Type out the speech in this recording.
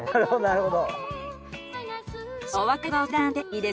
なるほど。